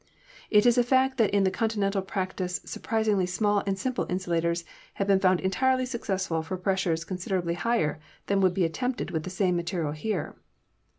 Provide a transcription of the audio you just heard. It is a fact that in Conti nental practice surprisingly small and simple insulators have been found entirely successful for pressures con siderably higher than would be attempted with the same material here.